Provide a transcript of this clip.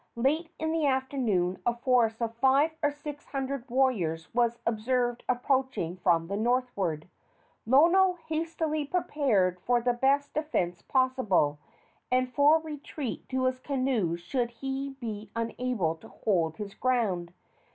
Late in the afternoon a force of five or six hundred warriors was observed approaching from the northward. Lono hastily prepared for the best defence possible, and for retreat to his canoes should he be unable to hold his ground.